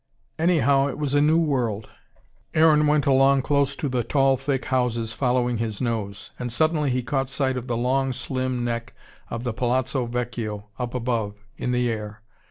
Anyhow it was a new world. Aaron went along close to the tall thick houses, following his nose. And suddenly he caught sight of the long slim neck of the Palazzo Vecchio up above, in the air.